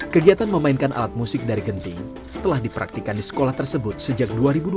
kegiatan memainkan alat musik dari genting telah dipraktikan di sekolah tersebut sejak dua ribu dua belas